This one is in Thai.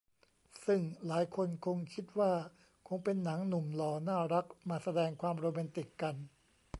ซึ่งหลายคนคงคิดว่าคงเป็นหนังหนุ่มหล่อน่ารักมาแสดงความโรแมนติกกัน